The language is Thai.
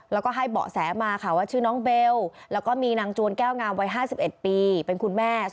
แล้วก็ให้เบาะแสมาค่ะว่าชื่อน้องเบลแล้วก็มีนางจวนแก้วงามวัย๕๑ปีเป็นคุณแม่